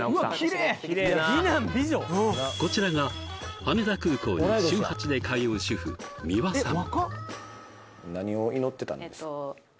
こちらが羽田空港に週８で通う主婦三輪さん